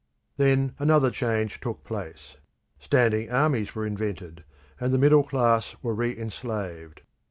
Then another change took place. Standing armies were invented, and the middle class were re enslaved.